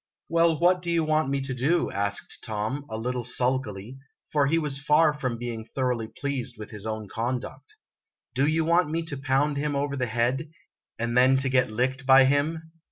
" Well, what do you want me to do? " asked Tom, a little sulkily, for he was far from being thoroughly pleased with his own conduct. " Do you want me to pound him over the head, and then to get licked by him?